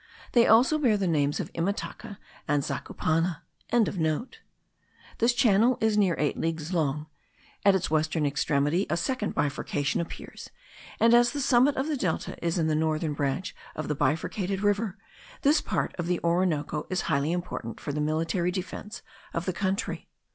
They also bear the names of Imataca and Zacupana.) This channel is near eight leagues long; at its western extremity a second bifurcation appears; and as the summit of the delta is in the northern branch of the bifurcated river, this part of the Orinoco is highly important for the military defence of the country.